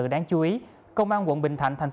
và chữa trị bệnh nhân